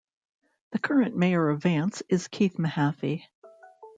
The current mayor of Vance is Keith Mahaffey.